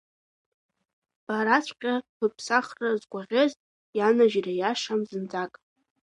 Бараҵәҟьа быԥсахра згәаӷьыз, ианажьра иашам зынӡак!